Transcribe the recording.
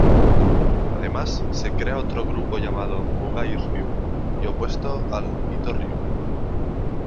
Además, se crea otro grupo llamado "Mugai-ryū" y opuesto al "Ittō-ryū".